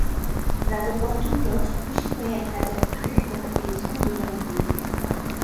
রাজা পঞ্চম জর্জ খুশি হয়ে এক হাজার গিনি উপহার দিয়েছিলেন দুজনকেই।